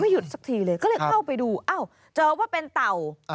หยุดสักทีเลยก็เลยเข้าไปดูอ้าวเจอว่าเป็นเต่า